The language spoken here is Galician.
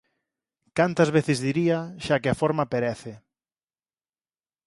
Cantas veces diría xa que a forma perece...